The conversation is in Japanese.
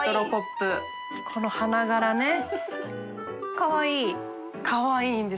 かわいい。